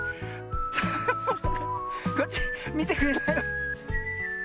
こっちみてくれないわ。